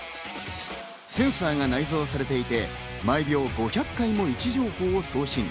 センサーが内蔵されていて、毎秒５００回の位置情報を送信。